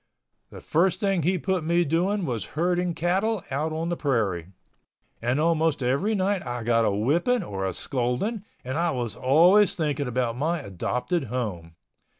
The first thing he put me doing was herding cattle out on the prairie. And almost every night I got a whipping or a scolding and I was always thinking about my adopted home.